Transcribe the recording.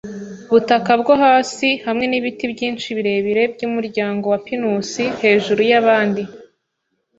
butaka bwo hasi, hamwe nibiti byinshi birebire byumuryango wa pinusi, hejuru yabandi -